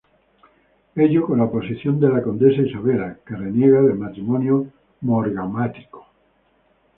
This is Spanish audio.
Ello con la oposición de la condesa Isabella, que reniega del matrimonio morganático.